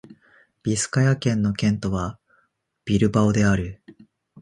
ビスカヤ県の県都はビルバオである